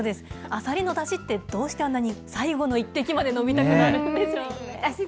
アサリのだしって、どうしてあんなに最後の一滴まで飲みたくなるんでしょうね。